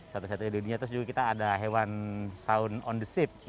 satu satunya di dunia terus juga kita ada hewan sound on the ship